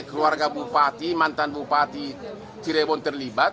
keluarga bupati mantan bupati cirebon terlibat